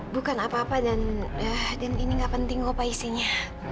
bukan apa apa dan ini gak penting opa isinya